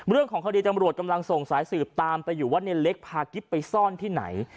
เรื่องของคดีจำรวจกำลังส่งสายสืบตามไปอยู่ว่าในเล็กพากิ๊บไปซ่อนที่ไหน